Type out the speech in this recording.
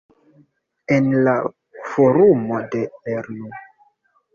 En la forumo de "lernu!